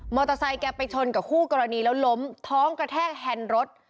เตอร์ไซค์แกไปชนกับคู่กรณีแล้วล้มท้องกระแทกแฮนด์รถ